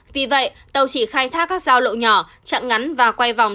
vì vậy tàu chỉ khai thác các giao lộ nhỏ chặn ngắn và quay vòng